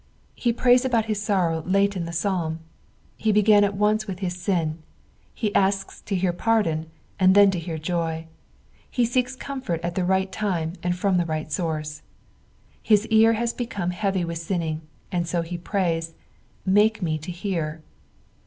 He prays about his sorrow late in the Fsalm ; he began at once with hia sin ; he asks to hear pardon, and then to hear joy. He seeks comfort at the right time and from the right source. His ear has become heavy with sinning, and so he prays, " Hake me to hear."